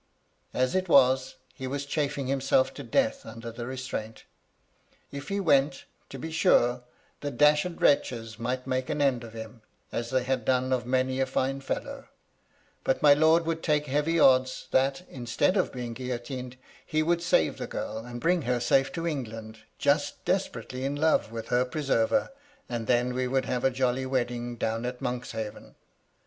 As it was, he was chafing himself to death under the restraint. If he went, to be sure, the wretches might make an end of him, as they had done of many a fine fellow ; but my lord would take heavy odds that, instead of being guillotined, he would save the girl, and bring her safe to England, just desperately in love with her pre server, and then we would have a jolly wedding down at Monkshaven.